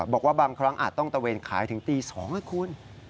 บอกว่าบางครั้งอาจต้องตะเวนขายถึงตี๒นะคุณ